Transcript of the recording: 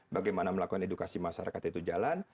bagaimana melakukan edukasi masyarakat itu jalan